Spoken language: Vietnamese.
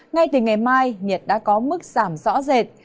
ngay từ ngày mai nhiệt đã có mức giảm rõ rệt